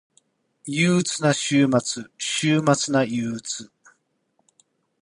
憂鬱な週末。週末な憂鬱